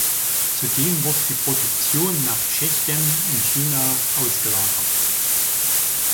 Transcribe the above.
Zudem wurde die Produktion nach Tschechien und China ausgelagert.